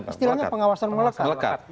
melekat istilahnya pengawasan melekat